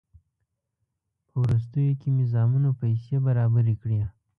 په وروستیو کې مې زامنو پیسې برابرې کړې.